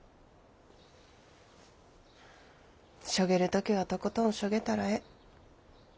しょげる時はとことんしょげたらええ。